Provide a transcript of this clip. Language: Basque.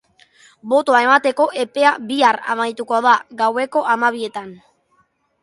Botoa emateko epea bihar amaituko da, gaueko hamabietan.